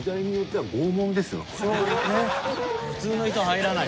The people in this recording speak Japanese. はい。